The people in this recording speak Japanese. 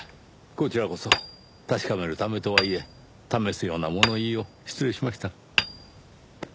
こちらこそ確かめるためとはいえ試すような物言いを失礼しました。